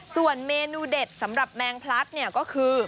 ส่วนเมนูเด็ดสำหรับแมงพลัดเนี่ยก็คือ